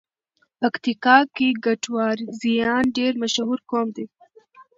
پکیتیکا کې ګټوازیان ډېر مشهور قوم دی.